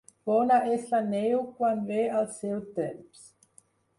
Bona és la neu quan ve al seu temps.